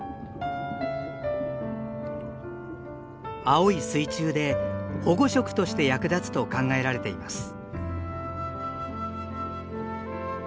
青い水中で保護色として役立つと考えられています。